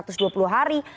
jadi kpu dari dua puluh hari